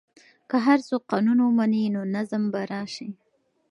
که هر څوک قانون ومني نو نظم به راسي.